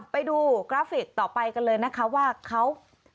ไปดูกราฟิกต่อไปกันเลยนะคะว่าเขา